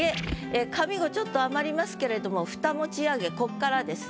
上五ちょっと余りますけれども「蓋持ち上げ」こっからですね。